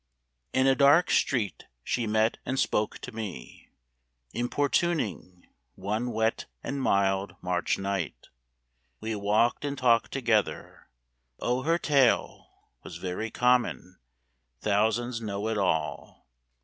In a dark street she met and spoke to me, Importuning, one wet and mild March night. We walked and talked together. O her tale Was very common; thousands know it all!